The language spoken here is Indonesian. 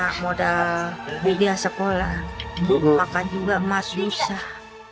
ada belia sekolah makan juga emas rusak